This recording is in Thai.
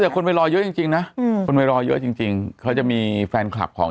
แต่คนไปรอเยอะจริงนะคนไปรอเยอะจริงเขาจะมีแฟนคลับของ